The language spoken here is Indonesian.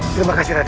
terima kasih raden